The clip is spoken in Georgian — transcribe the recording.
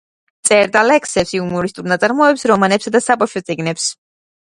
წერდა ლექსებს, იუმორისტულ ნაწარმოებებს, რომანებსა და საბავშვო წიგნებს.